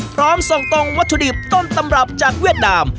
พร้อมส่งตรงวัตถุดิบต้นตำรับจากเวียดนาม